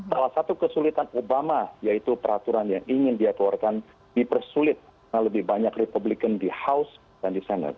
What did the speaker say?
salah satu kesulitan obama yaitu peraturan yang ingin dia keluarkan dipersulit karena lebih banyak republican di house dan di sana